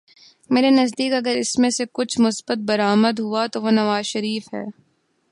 میرے نزدیک اگر اس میں سے کچھ مثبت برآمد ہوا تو وہ نواز شریف ہیں۔